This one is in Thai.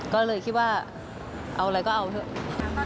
ก็เลยคิดว่าเอาอะไรก็เอาเถอะ